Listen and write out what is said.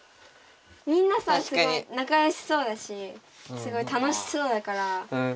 みなさんすごい仲よしそうだしすごい楽しそうだから大家族みたいな。